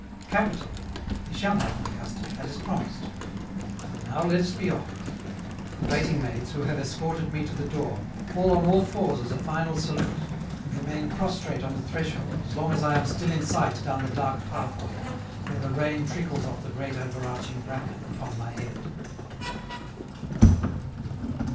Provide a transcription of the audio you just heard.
Capital! he shall have my custom, that is promised. And now, let us be off. The waiting maids, who have escorted me to the door, fall on all fours as a final salute, and remain prostrate on the threshold as long as I am still in sight down the dark pathway, where the rain trickles off the great overarching bracken upon my head.